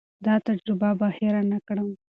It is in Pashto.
دا تجربه به هېر نه کړم.